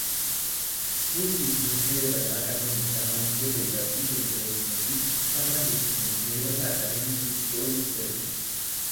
პრუსიის მეცნიერებათა აკადემიის დამაარსებელი და პირველი პრეზიდენტი, საფრანგეთის მეცნიერებათა აკადემიის უცხოელი წევრი.